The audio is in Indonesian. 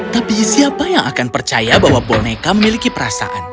tapi siapa yang akan percaya bahwa boneka memiliki perasaan